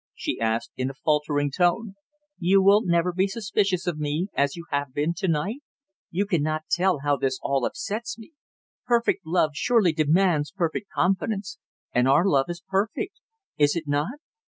she asked, in a faltering tone. "You will never be suspicious of me as you have been to night? You cannot tell how all this upsets me. Perfect love surely demands perfect confidence. And our love is perfect is it not?"